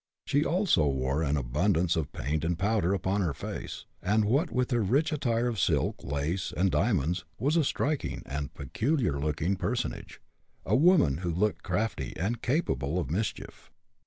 She also wore an abundance of paint and powder upon her face, and what with her rich attire of silk, lace, and diamonds, was a striking and peculiar looking personage a woman who looked crafty, and capable of mischief.